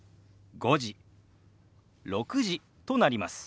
「５時」「６時」となります。